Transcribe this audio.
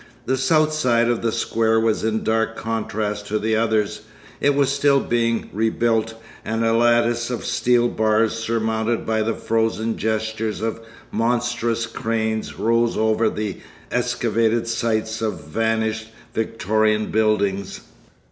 The south side of the square was in dark contrast to the others; it was still being rebuilt, and a lattice of steel bars surmounted by the frozen gestures of monstrous cranes rose over the excavated sites of vanished Victorian buildings.